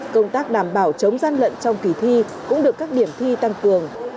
công tác đảm bảo chống gian lận trong kỳ thi cũng được các điểm thi tăng cường